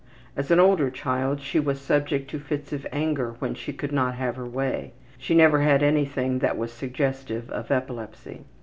As an older child she was subject to fits of anger when she could not have her way. She never had anything that was suggestive of epilepsy.